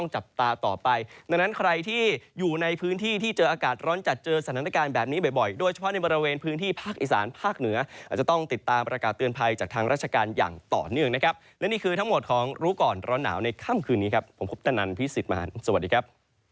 จากทางราชการอย่างต่อเนื่องนะครับและนี่คือทั้งหมดของรู้ก่อนร้อนหนาวในค่ำคืนนี้ครับผมคุ้บตะนันพี่ศิษย์มหาลสวัสดีครับ